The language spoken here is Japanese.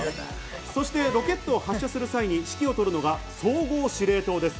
そしてロケット発射する際に指揮をとるのが総合指令塔です。